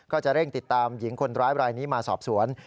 ก็จะเร่งติดตามหญิงคนร้ายบรายนี้มาสอบสวน